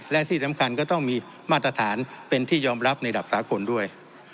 และที่สำคัญก็ต้องมีมาตรฐานเป็นที่ยอมรับในระดับสากลด้วย